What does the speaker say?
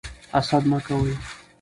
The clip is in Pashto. حسد مه کوئ.